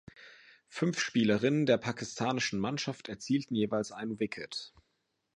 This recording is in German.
Fünf Spielerinnen der pakistanischen Mannschaft erzielten jeweils ein Wicket.